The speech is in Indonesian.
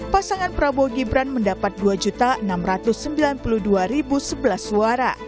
pasangan prabowo gibran mendapat dua enam ratus sembilan puluh dua sebelas suara